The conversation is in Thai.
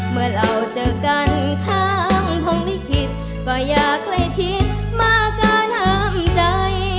เมื่อเราเจอกันข้างห้องลิขิตก็อยากใกล้ชิดมากเกินห้ามใจ